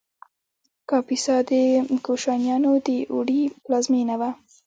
کاپیسا د کوشانیانو د اوړي پلازمینه وه